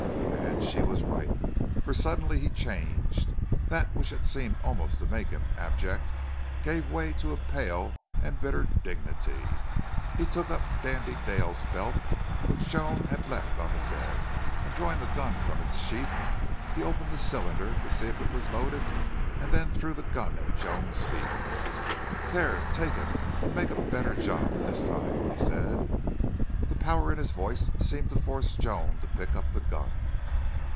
And she was right, for suddenly he changed. That which had seemed almost to make him abject gave way to a pale and bitter dignity. He took up Dandy Dale's belt, which Joan had left on the bed, and, drawing the gun from its sheath, he opened the cylinder to see if it was loaded, and then threw the gun at Joan's feet. "There! Take it and make a better job this time," he said. The power in his voice seemed to force Joan to pick up the gun.